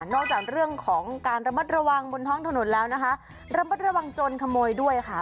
จากเรื่องของการระมัดระวังบนท้องถนนแล้วนะคะระมัดระวังจนขโมยด้วยค่ะ